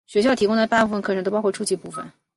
学校提供的大部分课程都包括初级部分。